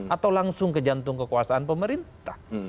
atau langsung ke jantung kekuasaan pemerintah